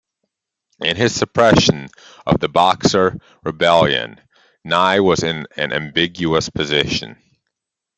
In his suppression of the Boxer Rebellion, Nie was in an ambiguous position.